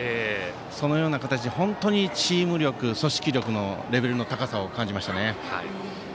そのような形で本当にチーム力組織力のレベルの高さを感じましたね。